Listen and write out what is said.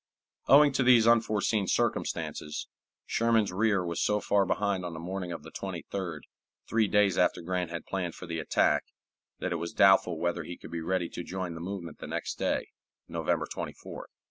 Owing to these unforeseen circumstances, Sherman's rear was so far behind on the morning of the 23d, three days after Grant had planned for the attack, that it was doubtful whether he could be ready to join the movement the next day, November 24th.